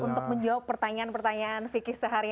untuk menjawab pertanyaan pertanyaan fikir seharian